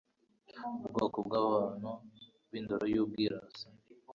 ubwoko bw'abantu b'indoro y'ubwirasi